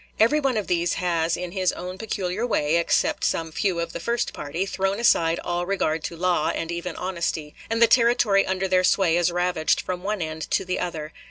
Every one of these has in his own peculiar way (except some few of the first party) thrown aside all regard to law, and even honesty, and the Territory under their sway is ravaged from one end to the other....